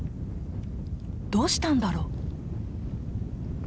どうしたんだろう？